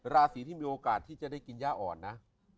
ราศีที่มีโอกาสที่จะได้กินย่าอ่อนนะ